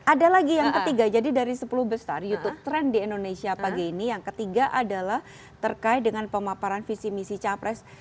ada lagi yang ketiga jadi dari sepuluh besar youtube tren di indonesia pagi ini yang ketiga adalah terkait dengan pemaparan visi misi capres